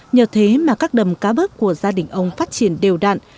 nhờ thế mà các đầm cá bớp của gia đình ông phát triển đều đạn